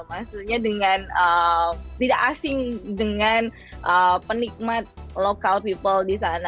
maksudnya dengan tidak asing dengan penikmat local people di sana